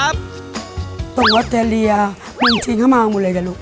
มึงทิ้งเข้ามาเอาหมดเลยค่ะลูก